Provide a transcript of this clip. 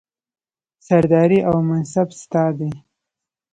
سرداري او منصب ستا دی